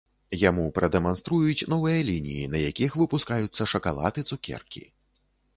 Яму прадэманструюць новыя лініі, на якіх выпускаюцца шакалад і цукеркі.